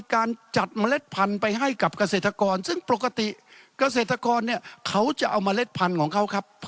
กับเกษตรกรซึ่งปกติเกษตรกรเนี่ยเขาจะเอาเมล็ดพันธุ์ของเขาครับ